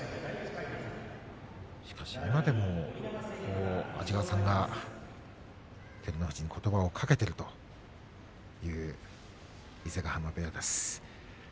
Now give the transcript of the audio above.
しかし今でも安治川さんが照ノ富士にことばをかけているという伊勢ヶ濱部屋です。